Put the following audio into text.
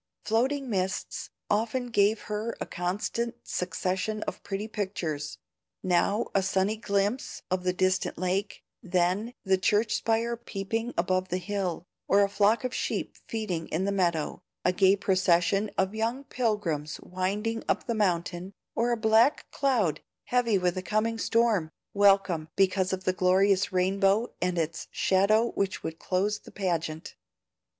Floating mists often gave her a constant succession of pretty pictures; now a sunny glimpse of the distant lake, then the church spire peeping above the hill, or a flock of sheep feeding in the meadow, a gay procession of young pilgrims winding up the mountain, or a black cloud heavy with a coming storm, welcome because of the glorious rainbow and its shadow which would close the pageant.